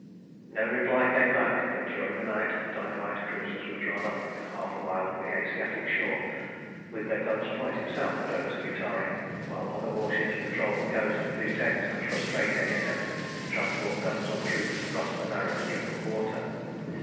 No reply came back; but during the night the dynamite cruisers were drawn up within half a mile of the Asiatic shore with their guns pointing southward over Scutari, while other warships patrolled the coast to detect and frustrate any attempt to transport guns or troops across the narrow strip of water.